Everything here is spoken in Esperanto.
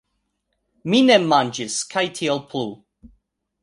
Mi ne manĝis kaj tiel plu.